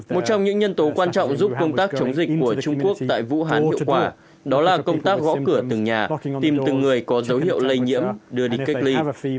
một trong những nhân tố quan trọng giúp công tác chống dịch của trung quốc tại vũ hán hiệu quả đó là công tác gõ cửa từng nhà tìm từng người có dấu hiệu lây nhiễm đưa đi cách ly